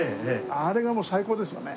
あれがもう最高ですよね。